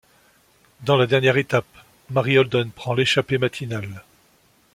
Dans la dernière étape, Mari Holden prend l'échappée matinale.